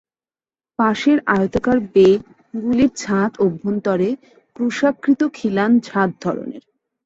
পাশের আয়তাকার ‘বে’ গুলির ছাদ অভ্যন্তরে ক্রুশাকৃতি খিলান ছাদ ধরনের।